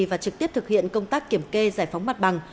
và trực tiếp thực hiện công tác kiểm kê giải phóng mặt bằng